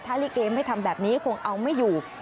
ถ้าลิเกไม่ทำแบบนี้คงเอาไม่อยู่